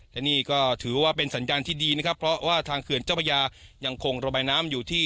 และนี่ก็ถือว่าเป็นสัญญาณที่ดีนะครับเพราะว่าทางเขื่อนเจ้าพระยายังคงระบายน้ำอยู่ที่